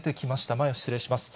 前を失礼します。